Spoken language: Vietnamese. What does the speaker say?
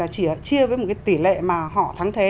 chia với một tỷ lệ mà họ thắng thế